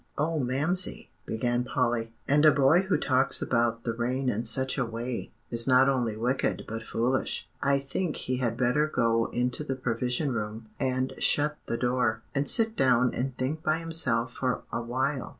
"O Mamsie!" began Polly. "And a boy who talks about the rain in such a way, is not only wicked but foolish. I think he had better go into the Provision Room, and shut the door, and sit down and think by himself for a while."